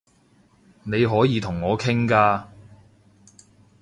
你可以同我傾㗎